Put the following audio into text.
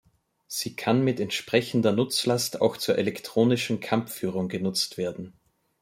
Sie kann mit entsprechender Nutzlast auch zur Elektronischen Kampfführung genutzt werden.